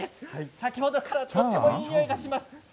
先ほどから、とてもいいにおいがしています。